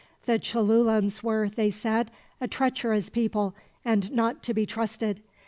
The Cholulans were, they said, a treacherous people and not to be trusted.